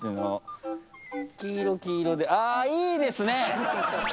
黄色黄色であいいですね！